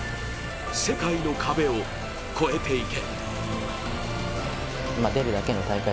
世界の壁を越えていけ。